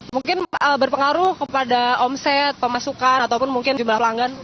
mungkin berpengaruh kepada omset pemasukan ataupun mungkin jumlah pelanggan